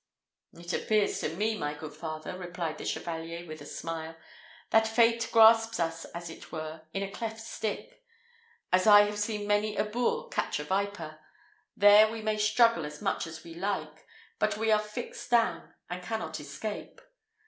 "It appears to me, my good father," replied the Chevalier, with a smile, "that fate grasps us, as it were, in a cleft stick, as I have seen many a boor catch a viper there we may struggle as much as we like, but we are fixed down, and cannot escape."